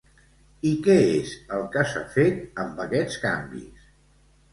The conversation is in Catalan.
I què és el que s'ha fet amb aquests canvis?